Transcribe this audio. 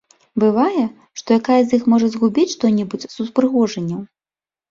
Бывае, што якая з іх можа згубіць што-небудзь з упрыгожанняў.